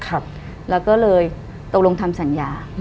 แล้วก็เลยตกลงทำสัญญา